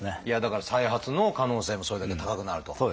いやだから再発の可能性もそれだけ高くなると。